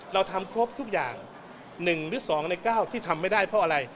เราทำครบทุกอย่าง๑หรือ๒ใน๙ที่ทำไม่ได้เพราะอะไร